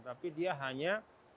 tapi dia hanya